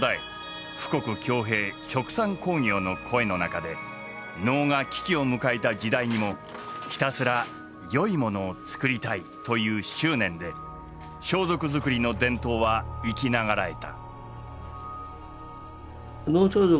殖産興業の声の中で能が危機を迎えた時代にもひたすらよいものを作りたいという執念で装束作りの伝統は生き長らえた。